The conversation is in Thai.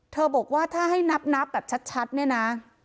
บอกว่าถ้าให้นับแบบชัดเนี่ยนะ